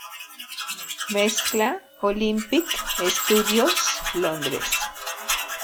Mezcla: Olympic Studios, Londres.